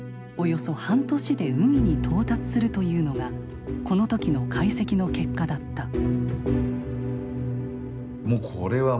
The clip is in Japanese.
およそ半年で海に到達するというのがこの時の解析の結果だった。